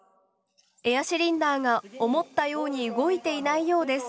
エアシリンダーが思ったように動いていないようです。